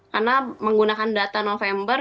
karena menggunakan data november